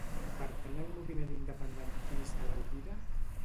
Pertany al moviment independentista l'Elvira?